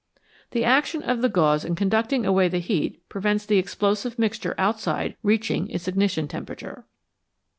The action of the gauze in conducting away the heat prevents the explosive mixture outside reaching its ignition temperature.